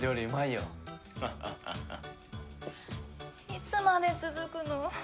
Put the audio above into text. いつまで続くの？